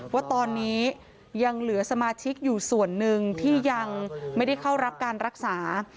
ว่าตอนนี้ยังเหลือสมาชิกอยู่ส่วนหนึ่งที่ยังไม่ได้เข้ารับการรักษา